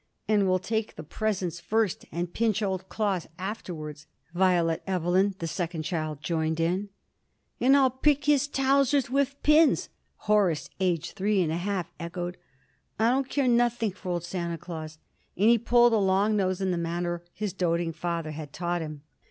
"And we'll take the presents first and pinch old Claus afterwards," Violet Evelyn, the second child, joined in. "And I'll prick his towsers wif pins!" Horace, aged three and a half, echoed. "I don't care nothink for old Santa Claus!" and he pulled a long nose in the manner his doting father had taught him.